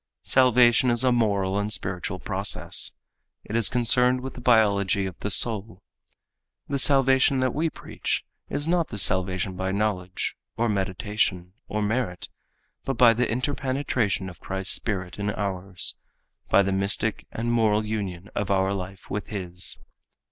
Salvation is a moral and spiritual process. It is concerned with the biology of the soul. The salvation that we preach is not the salvation by knowledge, or meditation, or merit, but by the interpenetration of Christ's spirit in ours, by the mystic and moral union of our life with his.